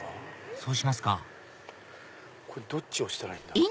そうしますかこれどっち押したらいいんだろう？